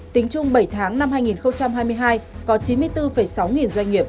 tính chung bảy tháng năm hai nghìn hai mươi hai có chín mươi bốn sáu nghìn doanh nghiệp